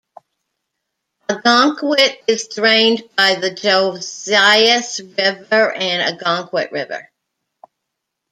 Ogunquit is drained by the Josias River and Ogunquit River.